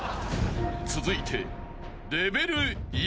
［続いて］